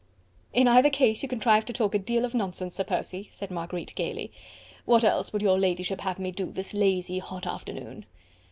"In either case you contrive to talk a deal of nonsense, Sir Percy," said Marguerite gaily. "What else would your ladyship have me do this lazy, hot afternoon?"